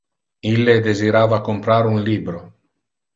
Ille desirava comprar un libro.